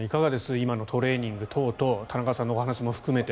今のトレーニング等々田中さんのお話も含めて。